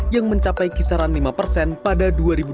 yang mencapai kisaran lima persen pada dua ribu dua puluh